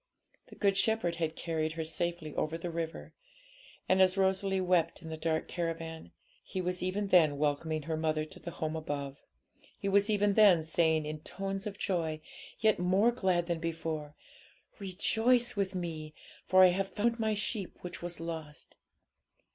The Good Shepherd had carried her safely over the river, and, as Rosalie wept in the dark caravan. He was even then welcoming her mother to the home above; He was even then saying, in tones of joy, yet more glad than before, 'Rejoice with Me, for I have found My sheep which was lost.'